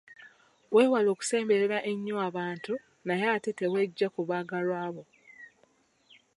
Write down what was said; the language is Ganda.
Weewale okusemberera ennyo abantu naye ate teweggya ku baagalwa bo.